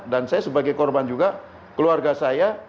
dan saya sebagai korban juga keluarga saya